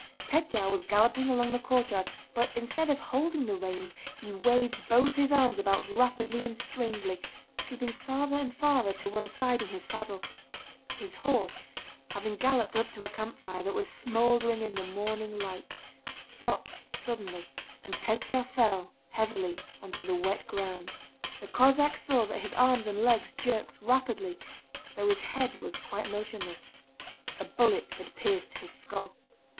Pétya was galloping along the courtyard, but instead of holding the reins he waved both his arms about rapidly and strangely, slipping farther and farther to one side in his saddle. His horse, having galloped up to a campfire that was smoldering in the morning light, stopped suddenly, and Pétya fell heavily on to the wet ground. The Cossacks saw that his arms and legs jerked rapidly though his head was quite motionless. A bullet had pierced his skull.